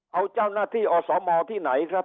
เอาเจ้าหน้าที่อสมที่ไหนครับ